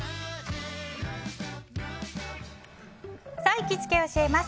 行きつけ教えます！